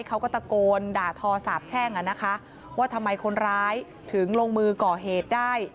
เขาก็ตะโกนด่าทอสาบแช่งอ่ะนะคะว่าทำไมคนร้ายถึงลงมือก่อเหตุได้